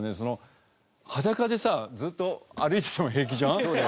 裸でさずっと歩いてても平気じゃん？